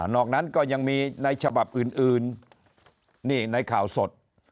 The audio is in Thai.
อกนั้นก็ยังมีในฉบับอื่นนี่ในข่าวสด